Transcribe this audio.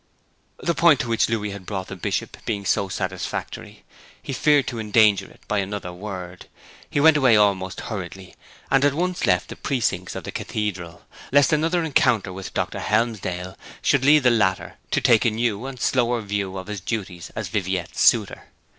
The point to which Louis had brought the Bishop being so satisfactory, he feared to endanger it by another word. He went away almost hurriedly, and at once left the precincts of the cathedral, lest another encounter with Dr. Helmsdale should lead the latter to take a new and slower view of his duties as Viviette's suitor.